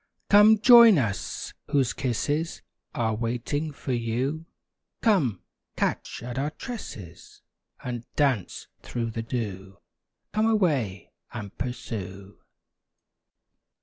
Come join us, whose kisses Are waiting for you; Come, catch at our tresses, And dance through the dew! Come away, and pursue!